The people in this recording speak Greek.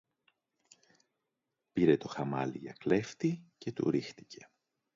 Πήρε το χαμάλη για κλέφτη και του ρίχτηκε